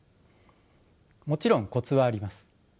もちろんコツはあります。